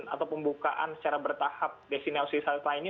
atau pembukaan secara bertahap desin dan usaha lainnya